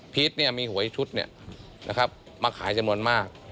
มีหวยชุดมาขายจำนวนมาก